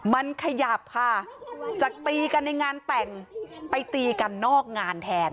มันขยับค่ะจากตีกันในงานแต่งไปตีกันนอกงานแทน